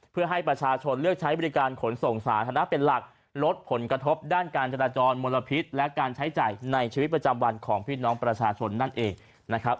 เพื่อให้ประชาชนเลือกใช้บริการขนส่งสาธารณะเป็นหลักลดผลกระทบด้านการจราจรมลพิษและการใช้จ่ายในชีวิตประจำวันของพี่น้องประชาชนนั่นเองนะครับ